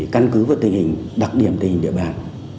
căn cứ vào tình hình đặc điểm tình hình địa bàn